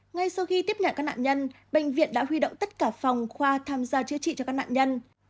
ngay sau khi tiếp nhận các nạn nhân bệnh viện đã huy động tất cả phòng khoa tham gia chữa trị cho các nạn nhân